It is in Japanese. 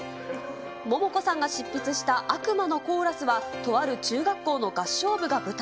モモコさんが執筆した悪魔のコーラスは、とある中学校の合唱部が舞台。